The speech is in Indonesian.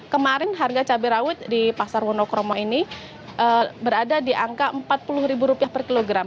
kemarin harga cabai rawit di pasar wonokromo ini berada di angka rp empat puluh per kilogram